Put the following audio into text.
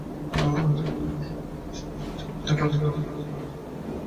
আমাদের সরকারের আচরণ থেকে তথ্যপ্রযুক্তি কিংবা বিজ্ঞান প্রযুক্তির গুরুত্ব আঁচ করা কঠিন।